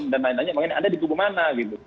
dan nanya nanya makanya anda di kubu mana gitu